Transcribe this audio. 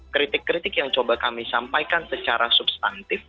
kritik kritik yang coba kami sampaikan secara substantif